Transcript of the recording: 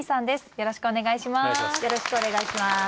よろしくお願いします。